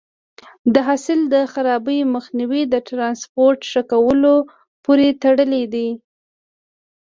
د حاصل د خرابي مخنیوی د ټرانسپورټ ښه کولو پورې تړلی دی.